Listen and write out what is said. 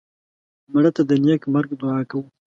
مړه ته د نیک مرګ دعا کوو